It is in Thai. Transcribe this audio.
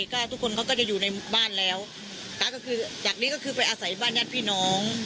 ก็ทุกคนเขาก็จะอยู่ในบ้านแล้วตาก็คือจากนี้ก็คือไปอาศัยบ้านญาติพี่น้อง